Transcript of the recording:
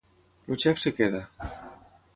El xef es queda.